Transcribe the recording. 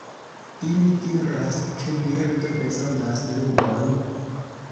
Ili diras ke birdo bezonas lumon.